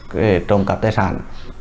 để trồng cặp tài sản